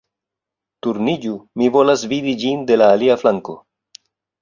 Turniĝu mi volas vidi ĝin de la alia flanko